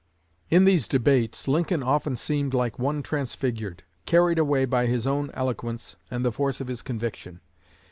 In these debates Lincoln often seemed like one transfigured carried away by his own eloquence and the force of his conviction.